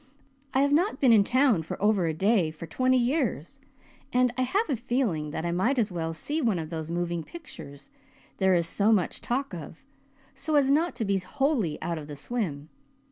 I have not been in town for over a day for twenty years and I have a feeling that I might as well see one of those moving pictures there is so much talk of, so as not to be wholly out of the swim.